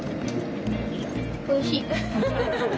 おいしい。